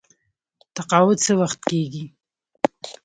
تقاعد څه وخت کیږي؟